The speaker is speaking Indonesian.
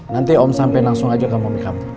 nanti om sampein langsung ajak ke mami kamu